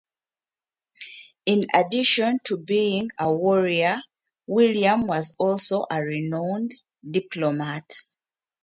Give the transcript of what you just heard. In addition to being a warrior, William was also a renowned diplomat.